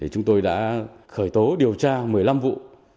chúng tôi đã khởi tố điều tra một mươi năm vụ